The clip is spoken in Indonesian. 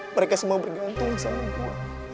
mereka semua bergantung sama gua